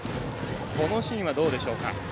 このシーンはどうでしょうか？